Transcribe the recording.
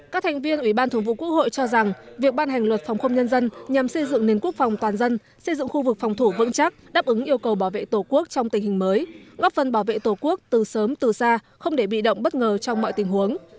các thành viên ủy ban thường vụ quốc hội cho rằng việc ban hành luật phòng không nhân dân nhằm xây dựng nền quốc phòng toàn dân xây dựng khu vực phòng thủ vững chắc đáp ứng yêu cầu bảo vệ tổ quốc trong tình hình mới góp phần bảo vệ tổ quốc từ sớm từ xa không để bị động bất ngờ trong mọi tình huống